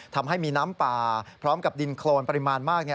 ทำให้มีน้ำป่าพร้อมกับดินโครนปริมาณมาก